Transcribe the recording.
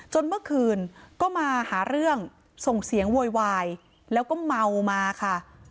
เมื่อคืนก็มาหาเรื่องส่งเสียงโวยวายแล้วก็เมามาค่ะ